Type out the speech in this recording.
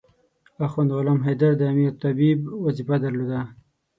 اخند غلام حیدر د امیر طبيب وظیفه درلوده.